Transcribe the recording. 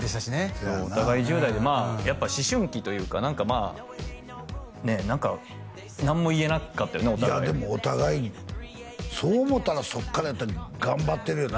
そうやんなお互い１０代でまあやっぱ思春期というか何かまあねえ何か何も言えなかったよねお互いでもお互いそう思ったらそっから頑張ってるよな